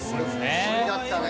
不思議だったね。